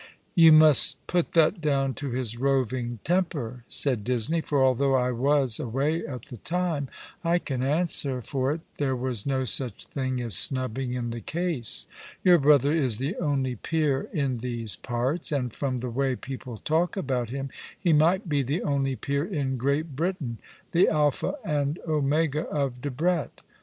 "You must put that down to his roving temper," said Disney, "for although I was aw^ay at the time, I can answer for it there was no such thing as snubbing in the case. Your brother is the only peer in these parts, and from the way people talk about him he might be the only j)eer in Great Britain — the Alpha and Omega of Debrett.